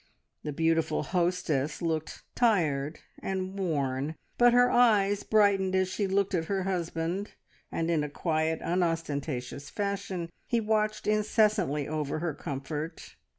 The beautiful hostess looked tired and worn, but her eyes brightened as she looked at her husband, and, in a quiet, unostentatious fashion, he watched incessantly over her comfort.